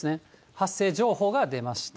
発生情報が出ました。